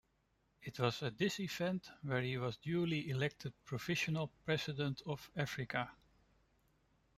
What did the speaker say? It was at this event where he was duly elected Provisional President of Africa.